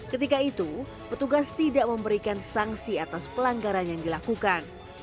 ketika itu petugas tidak memberikan sanksi atas pelanggaran yang dilakukan